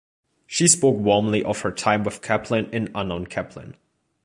She spoke warmly of her time with Chaplin in "Unknown Chaplin".